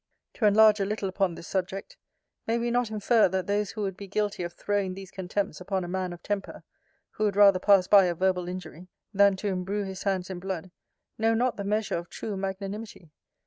To enlarge a little upon this subject, May we not infer, that those who would be guilty of throwing these contempts upon a man of temper, who would rather pass by a verbal injury, than to imbrue his hands in blood, know not the measure of true magnanimity?